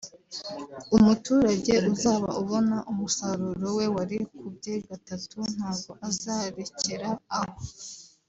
umuturage uzaba ubona umusaruro we warikubye gatatu ntago azarekera aho